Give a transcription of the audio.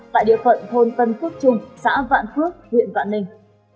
tại địa phận thôn tân phước trung xã vạn phước huyện vạn ninh